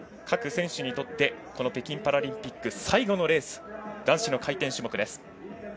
各選手にとって北京パラリンピック最後のレース男子の回転種目です。